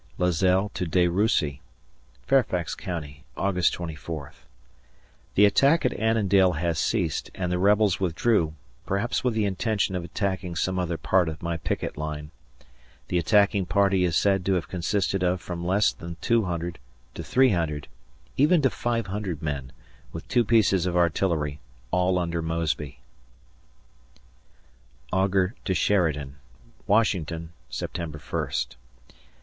[Lazelle to De Russy] Fairfax County, August 24th. The attack at Annandale has ceased, and the rebels withdrew, perhaps with the intention of attacking some other part of my picket line. The attacking party is said to have consisted of from less than 200 to 300, even to 500 men, with two pieces of artillery, all under Mosby. [Augur to Sheridan] Washington, September 1st.